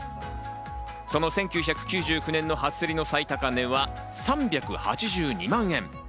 その１９９９年の初競りの最高値は３８２万円。